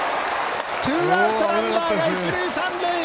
ツーアウト、ランナーが一塁、三塁！